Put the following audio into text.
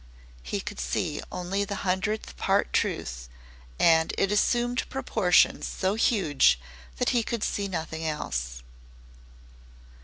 He could see only the hundredth part truth, and it assumed proportions so huge that he could see nothing else.